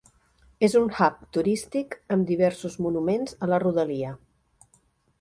És un hub turístic amb diversos monuments a la rodalia.